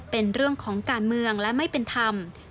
เป็นเรื่องของการเมืองและไม่เป็นธรรม